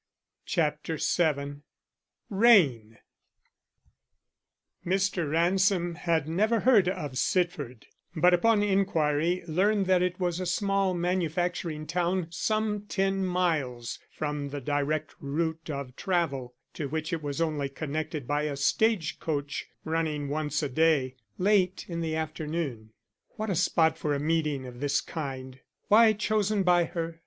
CHAPTER VII RAIN Mr. Ransom had never heard of Sitford, but upon inquiry learned that it was a small manufacturing town some ten miles from the direct route of travel, to which it was only connected by a stage coach running once a day, late in the afternoon. What a spot for a meeting of this kind! Why chosen by her?